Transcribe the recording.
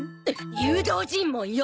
誘導尋問よ！